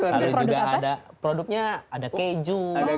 lalu juga ada produknya ada keju